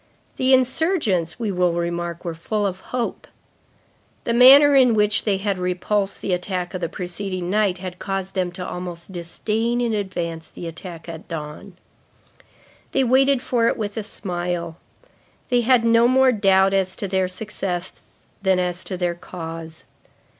The insurgents, we will remark, were full of hope. The manner in which they had repulsed the attack of the preceding night had caused them to almost disdain in advance the attack at dawn. They waited for it with a smile. They had no more doubt as to their success than as to their cause.